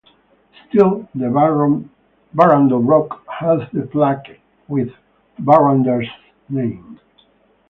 Still the Barrandov Rock has the plaque with Barrande's name.